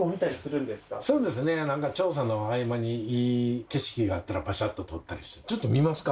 そうですね調査の合間にいい景色があったらパシャッと撮ったりちょっと見ますか？